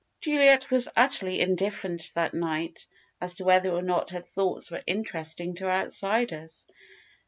Juliet was utterly indifferent that night as to whether or not her thoughts were interesting to outsiders.